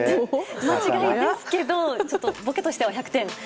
間違いですけどボケとしては１００点！